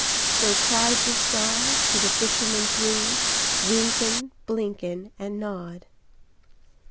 So cried the stars to the fishermen three, Wynken, Blynken, And Nod.